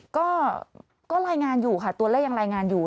ก็รายงานอยู่ค่ะตัวเลขยังรายงานอยู่